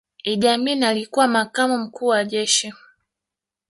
iddi amin alikuwa makamu mkuu wa jeshi